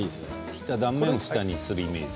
切った断面を下にするイメージ。